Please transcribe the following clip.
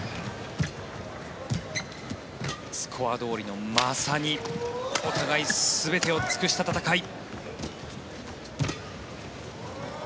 スコアどおりの、まさにお互い全てを尽くした戦い。